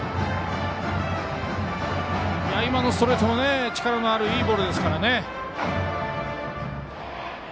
今のストレートも力のある、いいボールですから。